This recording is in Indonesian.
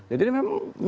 jadi ini memang mudah